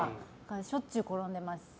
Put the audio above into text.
しょっちゅう転んでます。